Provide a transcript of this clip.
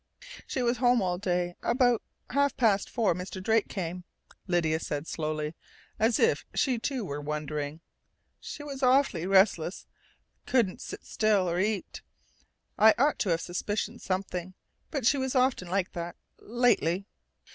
"She was home all day, but about half past four Mr. Drake came," Lydia said slowly, as if she too were wondering. "She was awfully restless, couldn't set still or eat. I ought to have suspicioned something, but she was often like that lately.